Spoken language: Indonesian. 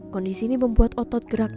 kondisi ini membuat otot gerak